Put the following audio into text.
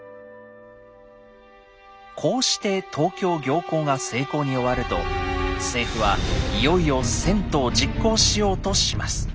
こうして東京行幸が成功に終わると政府はいよいよ遷都を実行しようとします。